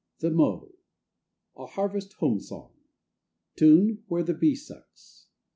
THE MOW. A HARVEST HOME SONG. Tune, Where the bee sucks.